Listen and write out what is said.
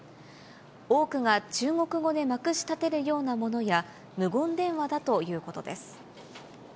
多くが中国語でまくしたてるようなものや、無言電話だということです。